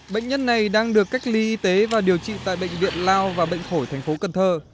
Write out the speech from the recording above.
bệnh nhân này đang được cách ly y tế và điều trị tại bệnh viện lao và bệnh phổi thành phố cần thơ